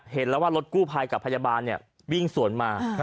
เห็นแล้วว่ารถกู้ภัยกับพยาบาลวิ่งสวนมา